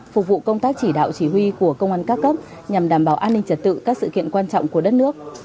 phục vụ công tác chỉ đạo chỉ huy của công an các cấp nhằm đảm bảo an ninh trật tự các sự kiện quan trọng của đất nước